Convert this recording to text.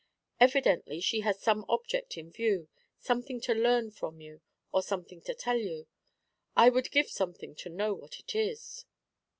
Evidently she has some object in view, something to learn from you, or something to tell you. I would give something to know what it is.'